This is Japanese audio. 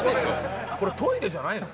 これトイレじゃないの？